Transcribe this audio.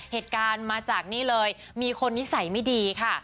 เหตุการณ์มาจากนี่เลยมีคนนิสัยไม่ดีค่ะ